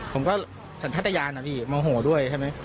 ผมก็สันทยานนะพี่โมโหด้วยใช่ไหม